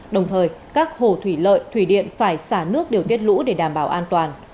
đồng thời các hồ thủy lợi thủy điện phải xả nước điều tiết lũ để đảm bảo an toàn